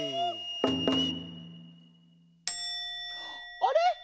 あれ？